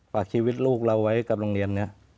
ฝากชีวิตลูกเราไว้กับโรงเรียนนี้